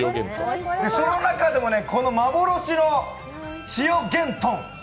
その中でもこの幻の千代幻豚。